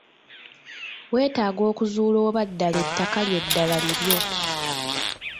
Weetaaga okuzuula oba ddaala ettaka lyo ddaala liryo.